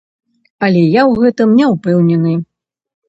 Але я ў гэтым не ўпэўнены.